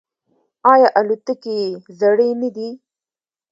آیا الوتکې یې زړې نه دي؟